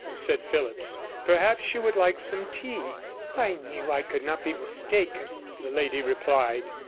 said Phillipps. 'Perhaps you would like some tea?' 'I knew I could not be mistaken,' the lady replied.